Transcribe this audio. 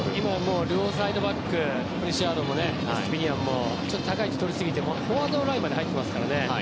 両サイドバックがプレシアードもエストゥピニャンも高い位置を取りすぎてフォワードのラインまで入ってますからね。